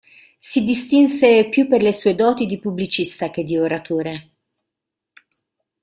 Si distinse più per le sue doti di pubblicista che di oratore.